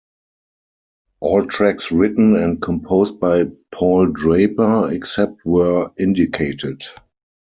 All tracks written and composed by Paul Draper; Except where indicated.